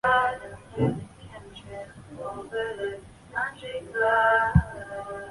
中华桫椤为桫椤科桫椤属下的一个种。